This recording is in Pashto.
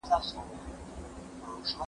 د پښتو ژبې ادب باید په ټوله نړۍ کې وځلېږي.